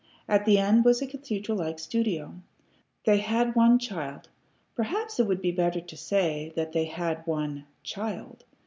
At the end was a cathedral like studio. They had one child. Perhaps it would be better to say that they had one CHILD.